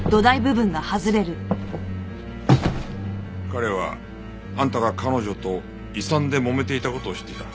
彼はあんたが彼女と遺産でもめていた事を知っていた。